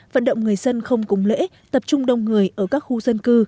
vận động người dân không cùng lễ tập trung đông người ở các khu dân cư